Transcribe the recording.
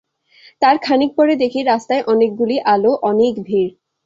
তার খানিক পরে দেখি রাস্তায় অনেকগুলি আলো, অনেক ভিড়।